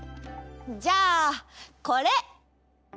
じゃあこれ。